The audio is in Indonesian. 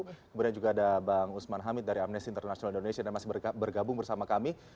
kemudian juga ada bang usman hamid dari amnesty international indonesia dan masih bergabung bersama kami